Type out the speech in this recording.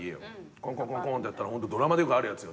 コンコンコンコンってやったらドラマでよくあるやつよ。